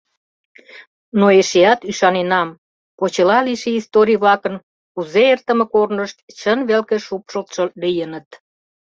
Но эшеат ӱшаненам: почела лийше историй-влакын кузе эртыме корнышт чын велке шупшылтшо лийыныт.